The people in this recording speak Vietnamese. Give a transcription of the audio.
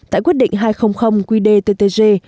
tại quyết định hai trăm linh qdttg